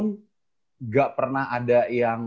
nggak pernah ada yang